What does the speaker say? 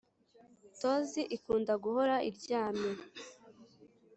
Tozi ikunda guhora iryamye